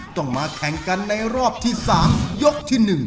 ต้องมาแข่งกันในรอบที่๓ยกที่๑